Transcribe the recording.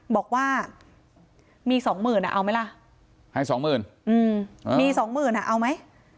บอกว่ามีสองหมื่นอ่ะเอาไหมล่ะให้สองหมื่นมีสองหมื่นอ่ะเอาไหม